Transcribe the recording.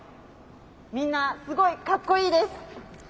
みんなすごいかっこいいです！